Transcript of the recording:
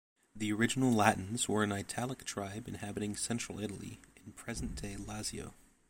The original Latins were an Italic tribe inhabiting central Italy, in present-day Lazio.